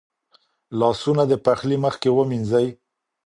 لاسونه د پخلي مخکې ومینځئ.